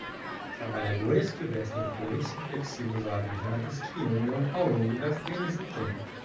Trabalhadores que vestem coletes reflexivos alaranjados que andam ao longo das trilhas do trem.